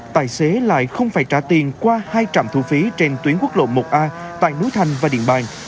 tài xế lại không phải trả tiền qua hai trạm thu phí trên tuyến quốc lộ một a tại núi thành và điện bàn